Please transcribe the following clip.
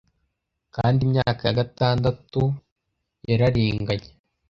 Kandi imyaka ya gatandatu yararenganye